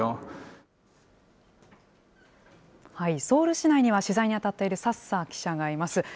ソウル市内には、取材に当たっている佐々記者がいます。